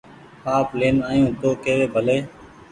آپ لين آيو تو ڪيوي ڀلي